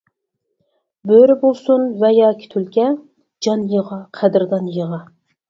بۆرە بولسۇن ۋە ياكى تۈلكە، جان يىغا، قەدىردان يىغا.